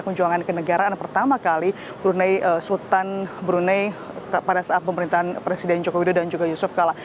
kunjungan kenegaraan pertama kali sultan brunei pada saat pemerintahan presiden jokowi dodo dan juga yusuf kalah